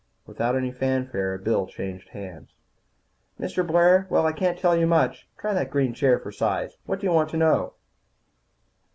Without any fanfare a bill changed hands. "Mr. Blair. Well, I can't tell you much. Try that green chair for size. What do you want to know?"